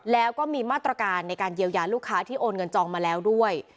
แล้วก็มีมาตรการในการเยียวยาลูกค้าที่โอนเงินจองมาแล้วด้วย